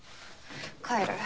帰る。